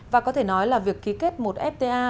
và có thể nói là việc ký kết một fta